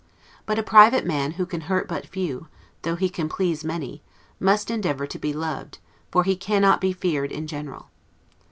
But a private man who can hurt but few, though he can please many, must endeavor to be loved, for he cannot be feared in general.